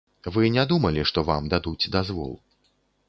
Вы не думалі, што вам дадуць дазвол.